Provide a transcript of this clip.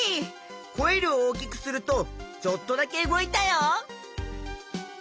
コイルを大きくするとちょっとだけ動いたよ。